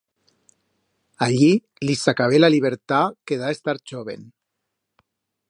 Allí lis s'acabé la libertat que da estar choven.